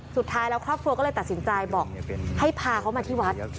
สุดท้ายแล้วครอบครัวก็เลยตัดสินใจบอกให้พาเขามาที่วัด